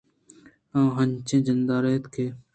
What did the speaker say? آ انچیں جاندُزّے اَت کہ